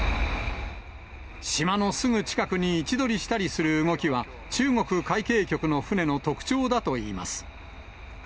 島のすぐ近くに位置取りしたりする動きは中国海警局の船の特徴だといいます。